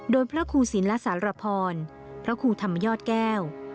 โดยพระครูศิลปสารพรพระครูธรรมยอดแก้ว